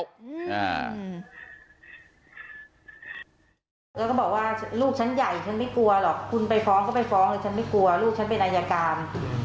แล้วก็บอกว่าลูกฉันใหญ่ฉันไม่กลัวหรอกคุณไปฟ้องก็ไปฟ้องเลยฉันไม่กลัวลูกฉันเป็นอายการ